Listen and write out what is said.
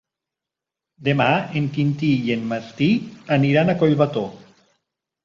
Demà en Quintí i en Martí aniran a Collbató.